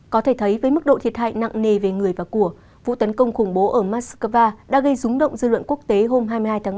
có thể thấy với mức độ thiệt hại nặng nề về người và của vụ tấn công khủng bố ở moscow đã gây rúng động dư luận quốc tế hôm hai mươi hai tháng ba